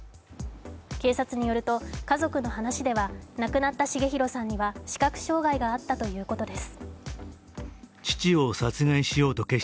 警察によると、家族の話では亡くなった重弘さんには視覚障害があったということです。